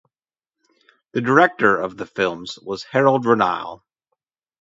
The director of the films was Harald Reinl.